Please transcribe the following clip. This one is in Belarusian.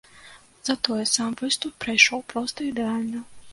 Затое сам выступ прайшоў проста ідэальна.